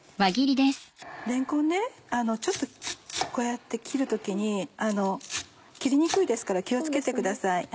れんこんちょっとこうやって切る時に切りにくいですから気を付けてください。